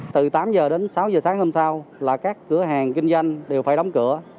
từ tám h đến sáu giờ sáng hôm sau là các cửa hàng kinh doanh đều phải đóng cửa